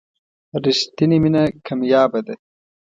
رښتینې مینه کمیابه ده.